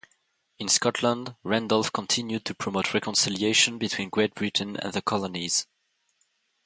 In Scotland, Randolph continued to promote reconciliation between Great Britain and the colonies.